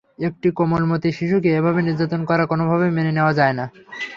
একটি কোমলমতি শিশুকে এভাবে নির্যাতন করা কোনোভাবেই মেনে নেওয়া যায় না।